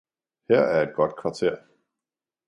her er godt kvarter!